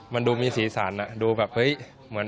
มันดูมีสีสันดูแบบเห้ย